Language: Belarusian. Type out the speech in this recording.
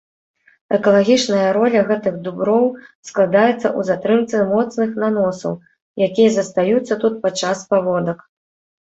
Экалагічная роля гэтых дуброў складаецца ў затрымцы моцных наносаў, якія застаюцца тут падчас паводак.